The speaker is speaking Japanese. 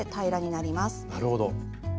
なるほど。